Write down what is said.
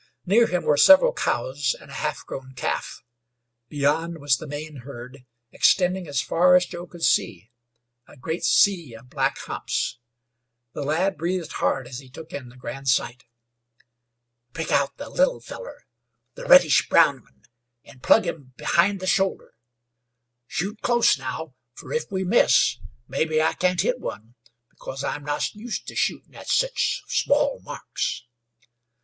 Near him were several cows and a half grown calf. Beyond was the main herd, extending as far as Joe could see a great sea of black humps! The lad breathed hard as he took in the grand sight. "Pick out the little fellar the reddish brown one an' plug him behind the shoulder. Shoot close now, fer if we miss, mebbe I can't hit one, because I'm not used to shootin' at sich small marks."